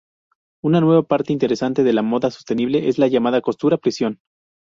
Una nueva parte interesante de la moda sostenible es la llamada costura prisión.